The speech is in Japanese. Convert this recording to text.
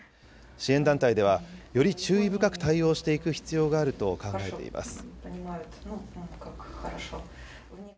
支援団体では、より注意深く対応していく必要があると考えています。